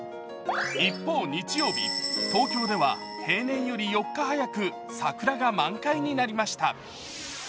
一方、日曜日、東京では平年より４日早く桜が満開になりました。